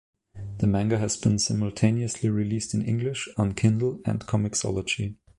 The manga has been simultaneously released in English on Kindle and Comixology.